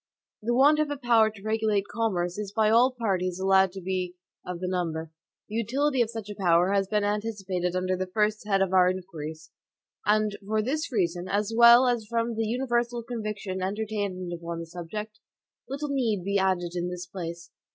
The want of a power to regulate commerce is by all parties allowed to be of the number. The utility of such a power has been anticipated under the first head of our inquiries; and for this reason, as well as from the universal conviction entertained upon the subject, little need be added in this place.